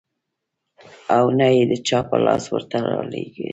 او نه يې د چا په لاس ورته راولېږل .